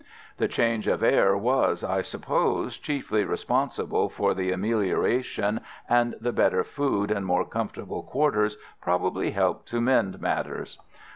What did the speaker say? The change of air was, I suppose, chiefly responsible for the amelioration, and the better food and more comfortable quarters probably helped to mend matters.